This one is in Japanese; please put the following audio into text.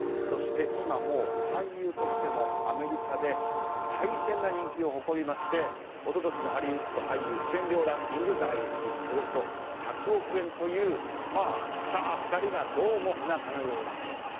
そして今はもう俳優としてもアメリカで大変な人気を誇りまして一昨年のハリウッド俳優出演料ランキング第１位およそ１００億円というスター２人がどうも、不仲のようだと。